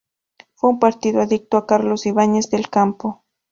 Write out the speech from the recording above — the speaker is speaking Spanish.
Fue un partido adicto a Carlos Ibáñez del Campo.